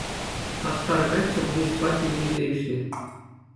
Хастар каччӑ пурнӑҫпа киленсе ӳснӗ.